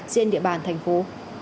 trên địa bàn thành phố